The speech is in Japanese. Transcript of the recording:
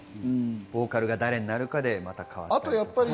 ボーカルが誰になるかで変わったり。